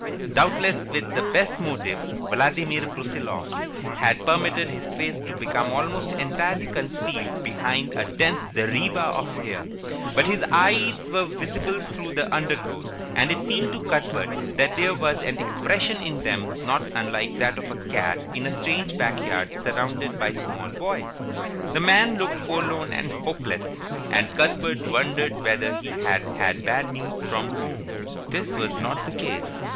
Doubtless with the best motives, Vladimir Brusiloff had permitted his face to become almost entirely concealed behind a dense zareba of hair, but his eyes were visible through the undergrowth, and it seemed to Cuthbert that there was an expression in them not unlike that of a cat in a strange backyard surrounded by small boys. The man looked forlorn and hopeless, and Cuthbert wondered whether he had had bad news from home. This was not the case.